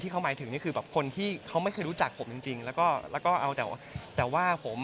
เขาหมายถึงนี่คือแบบคนที่เขาไม่เคยรู้จักผมจริงแล้วก็เอาแต่ว่าผม